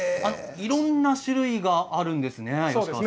いろいろな種類があるんですね。